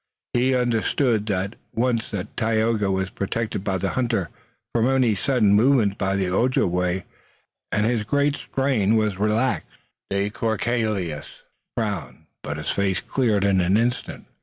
He understood at once that Tayoga was protected by the hunter from any sudden movement by the Ojibway and his great strain relaxed. De Courcelles frowned, but his face cleared in an instant.